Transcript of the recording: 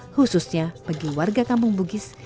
khususnya bagi warga kampung bugis